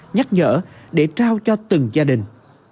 nhắc nhở để trao cho từng gia đình